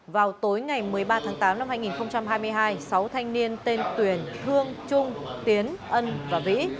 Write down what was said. vào tối ngày một mươi ba tháng tám năm hai nghìn hai mươi hai sáu thanh niên tên tuyền thương trung tiến ân và vĩ